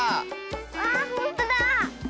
あほんとだ！